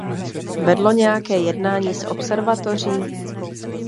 Vedlo nějaká jednání s observatoří?